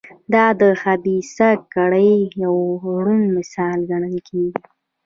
دا د خبیثه کړۍ یو روڼ مثال ګڼل کېږي.